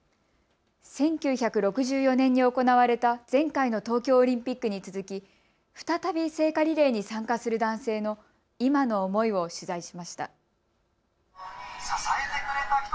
１９６４年に行われた前回の東京オリンピックに続き再び聖火リレーに参加する男性の今の思いを取材しました。